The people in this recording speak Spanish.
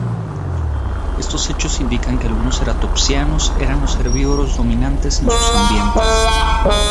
Estos hechos indican que algunos ceratopsianos eran los herbívoros dominantes en sus ambientes.